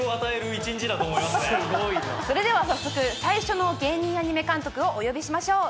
それでは早速最初の芸人アニメ監督をお呼びしましょう。